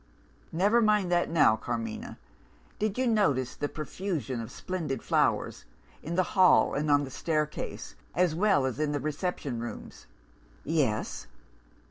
"'Never mind that now, Carmina. Did you notice the profusion of splendid flowers, in the hall and on the staircase, as well as in the reception rooms?' "'Yes.